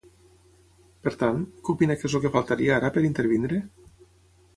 Per tant, què opina que és el que faltaria ara per intervenir?